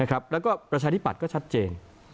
แล้วก็ประชาธิปัตย์ก็ชัดเจน